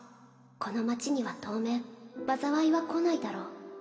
この町には当面災いは来ないだろう